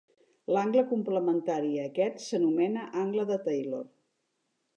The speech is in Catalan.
L'angle complementari a aquest s'anomena angle de Taylor.